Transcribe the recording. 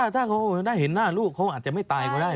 จ้าเส้นหน้าลูกเขาอาจจะไม่ตายก็ได้